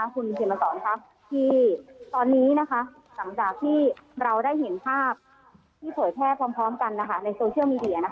คุณเขียนมาสอนที่ตอนนี้หลังจากที่เราได้เห็นภาพที่เผยแพร่พร้อมกันในโซเชียลมีเดีย